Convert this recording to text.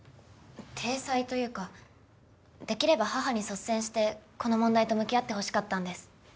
体裁というかできれば母に率先してこの問題と向き合ってほしかったんです。